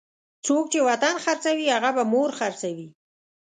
څوک چې وطن خرڅوي هغه به مور خرڅوي.